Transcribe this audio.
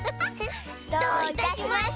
どういたしまして！